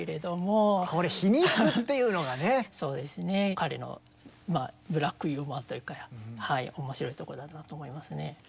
彼のブラックユーモアというか面白いところだなと思いますね。